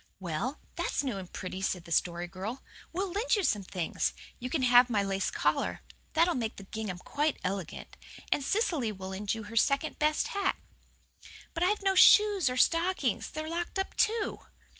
"Well, that's new and pretty," said the Story Girl. "We'll lend you some things. You can have my lace collar. That'll make the gingham quite elegant. And Cecily will lend you her second best hat." "But I've no shoes or stockings. They're locked up too."